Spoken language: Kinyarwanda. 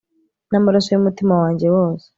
Namaraso yumutima wanjye wose